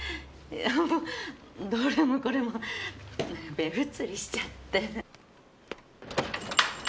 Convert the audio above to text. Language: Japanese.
どれもこれも目移りしちゃって。